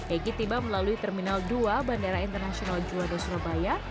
egy tiba melalui terminal dua bandara internasional juanda surabaya